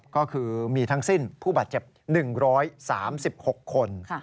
ก็คือมีทั้งสิ้นผู้บาดเจ็บ๑๓๖คน